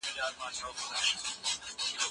ایا ستا استاد ستا په وړتیا باوري دی؟